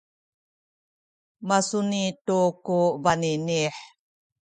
masuni tu ku baninih